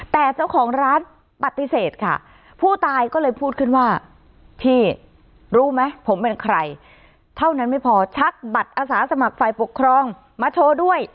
แต่เจ้าของร้านปฏิเสธค่ะผู้ตายก็เลยพูดขึ้นว่าพี่รู้ไหมผมเป็นใครเท่านั้นไม่พอชักบัตรอาสาสมัครฝ่ายปกครองมาโชว์ด้วย